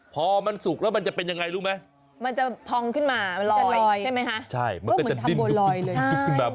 พอมันสุกแล้วมันจะเป็นยังไงรู้ไหม